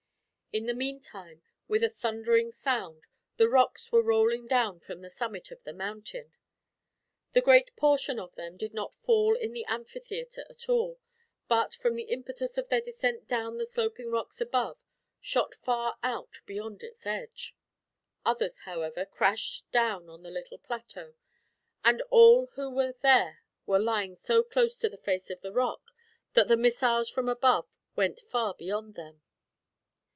In the meantime, with a thundering sound, the rocks were rolling down from the summit of the mountain. The greater portion of them did not fall in the amphitheater at all; but, from the impetus of their descent down the sloping rocks above, shot far out beyond its edge. Others, however, crashed down on to the little plateau; but all who were there were lying so close to the face of the rock, that the missiles from above went far beyond them.